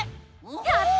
やった！